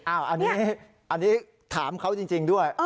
อ้าวอันนี้อันนี้ถามเขาจริงจริงด้วยเออ